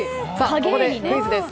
ここでクイズです。